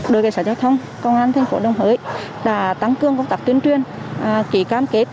đội cảnh sát giao thông công an thành phố đồng hới đã tăng cương công tác tuyến truyền kỳ cam kết